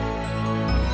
apakah racun ular itu